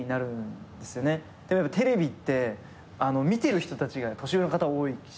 テレビって見てる人たちが年上の方多いし